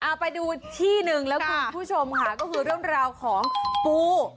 เอาไปดูที่หนึ่งแล้วคุณผู้ชมค่ะก็คือเรื่องราวของปู